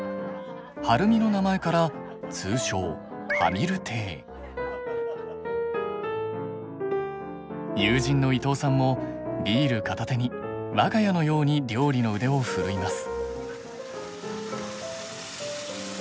春美の名前から通称友人の伊藤さんもビール片手に我が家のように料理の腕を振るいます。